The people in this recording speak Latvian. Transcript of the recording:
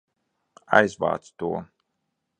Aizvāc to!